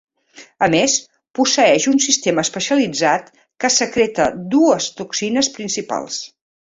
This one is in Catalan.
A més, posseeix un sistema especialitzat que secreta dues toxines principals: